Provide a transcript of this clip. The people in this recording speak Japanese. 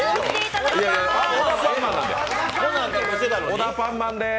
オダパンマン！！です。